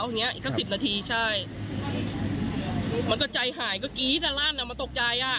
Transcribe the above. อย่างเงี้อีกสักสิบนาทีใช่มันก็ใจหายก็กรี๊ดอ่ะลั่นอ่ะมันตกใจอ่ะ